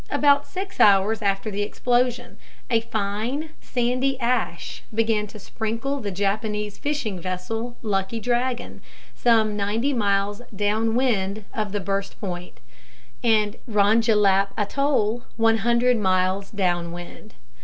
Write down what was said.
About 6 hours after the explosion, a fine, sandy ash began to sprinkle the Japanese fishing vessel Lucky Dragon, some 90 miles downwind of the burst point, and Rongelap Atoll, 100 miles downwind.